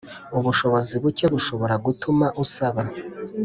ubushobozi buke bushobora gutuma usaba